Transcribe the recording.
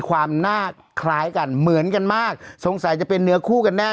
ความหน้าคล้ายกันเหมือนกันมากสงสัยจะเป็นเนื้อคู่กันแน่